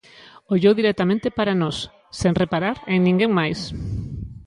Ollou directamente para nós, sen reparar en ninguén máis.